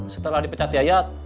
setelah dipecat daya